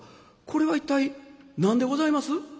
これは一体何でございます？」。